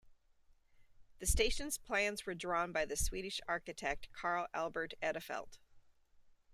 The station's plans were drawn by the Swedish architect Carl Albert Edelfelt.